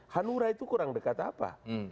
hanura itu kurang dekat apa